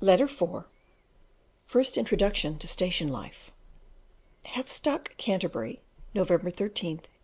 Letter IV: First introduction to "Station life." Heathstock, Canterbury, November 13th, 1865.